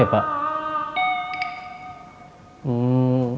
iya pak tuhari